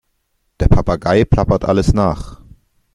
Der Papagei plappert alles nach.